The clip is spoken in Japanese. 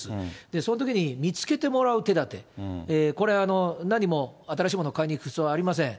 そのときに、見つけてもらう手立て、これ、何も新しいものを買いに行く必要はありません。